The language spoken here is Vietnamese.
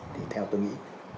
thì theo tôi nghĩ